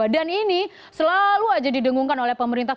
dan ini selalu aja didengungkan oleh pemerintah